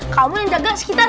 kamu yang jaga sekitar